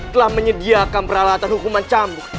telah menyediakan peralatan hukuman cambuk